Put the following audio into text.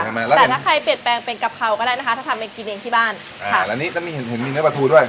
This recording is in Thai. แต่ถ้าใครเปลี่ยนแปลงเป็นกะเพราก็ได้นะคะถ้าทำไปกินเองที่บ้านอ่าแล้วนี้จะมีเห็นเห็นมีเนื้อปลาทูด้วย